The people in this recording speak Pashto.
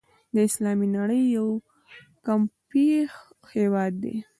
د اسلامي نړۍ یو کمپېښ هېواد دی.